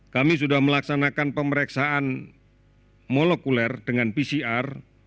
kami sudah melaksanakan pemeriksaan molekuler dengan pcr